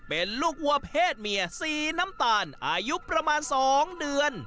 เป็นลูกวัวเพศเมียสีน้ำตาลอายุประมาณ๒เดือน